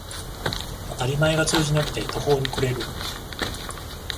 当たり前が通じなくて途方に暮れる